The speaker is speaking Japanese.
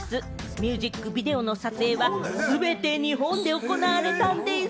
ミュージックビデオの撮影は全て日本で行われたんでぃす！